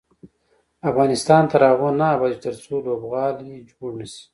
افغانستان تر هغو نه ابادیږي، ترڅو لوبغالي جوړ نشي.